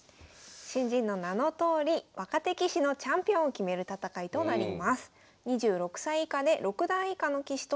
新人の名のとおり若手棋士のチャンピオンを決める戦いとなります。